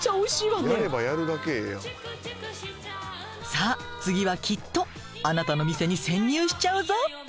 さあ次はきっとあなたの店に潜入しちゃうぞ。